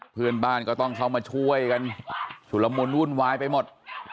เพื่อนบ้านก็ต้องเข้ามาช่วยกันชุดละมุนวุ่นวายไปหมด